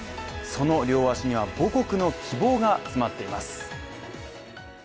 その両足には母国の希望が詰まっています。